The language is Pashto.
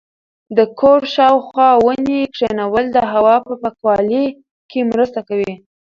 د کور شاوخوا ونې کښېنول د هوا په پاکوالي کې مرسته کوي.